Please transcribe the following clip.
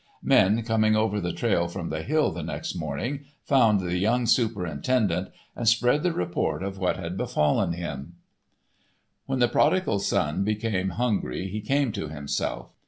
Men coming over the trail from the Hill the next morning found the young superintendent, and spread the report of what had befallen him. When the Prodigal Son became hungry he came to himself.